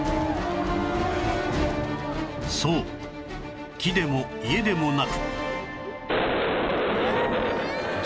そう木でも家でもなく